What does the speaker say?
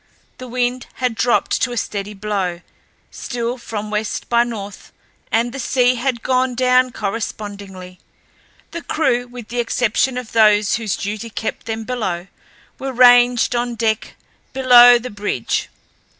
The wind had dropped to a steady blow, still from west by north, and the sea had gone down correspondingly. The crew, with the exception of those whose duties kept them below, were ranged on deck below the bridge.